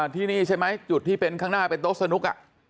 ที่นี่ใช่ไหมจุดที่เป็นข้างหน้าเป็นโต๊ะสนุก